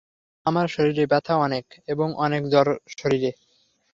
আমার শরীরে ব্যথা অনেক এবং অনেক জ্বর শরীরে।